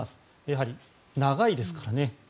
やはり長いですからね。